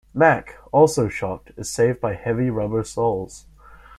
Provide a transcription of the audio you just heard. Mac, also shocked, is saved by heavy rubber soles.